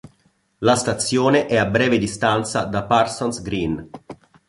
La stazione è a breve distanza da Parsons Green.